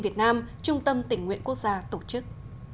việt nam trung tâm tỉnh nguyện quốc gia tổ chức